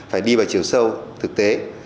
phải đi vào chiều sâu thực tế